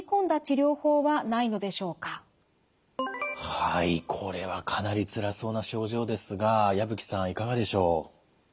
はいこれはかなりつらそうな症状ですが矢吹さんいかがでしょう。